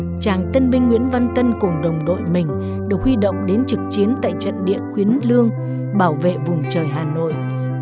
bốn mươi năm năm trước chàng tân binh nguyễn văn tân cùng đồng đội mình được huy động đến trực chiến tại trận địa khuyến lương bảo vệ vùng trời hà nội